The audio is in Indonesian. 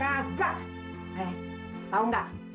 eh tau gak